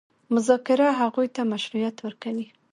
مذاکره هغوی ته مشروعیت ورکوي.